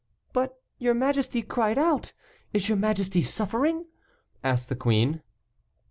"But your majesty cried out; is your majesty suffering?" asked the queen.